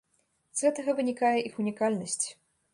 З гэтага вынікае іх унікальнасць.